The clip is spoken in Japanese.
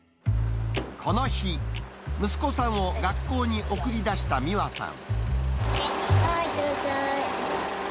この日、息子さんを学校に送り出した美和さん。